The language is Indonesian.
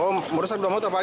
oh merusak dua motor pak